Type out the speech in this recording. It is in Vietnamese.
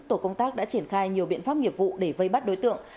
tổ công tác đã triển khai nhiều biện pháp nghiệp vụ để vây bắt đối tượng